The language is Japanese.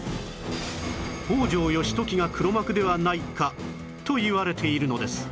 北条義時が黒幕ではないかといわれているのです